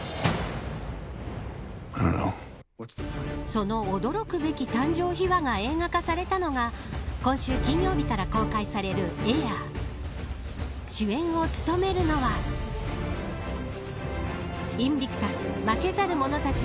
その驚くべき誕生秘話が映画化されたのが今週金曜日から公開されるＡＩＲエア主演を務めるのはインビクタス／負けざる者たち